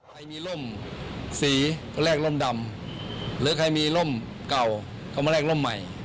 ใครมีร่มสีก็แลกร่มดำหรือใครมีร่มเก่าก็มาแลกร่มใหม่